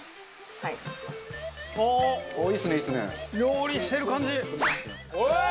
はい！